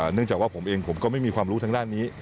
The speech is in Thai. เนื่องจากว่าผมเองผมก็ไม่มีความรู้ทางด้านนี้